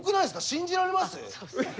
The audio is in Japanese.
信じられます？